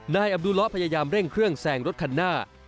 นายอับดูล้อพยายามเร่งเครื่องแซงรถคันหน้า